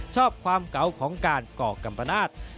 ชอบความเก๋าของการกรกบนาศ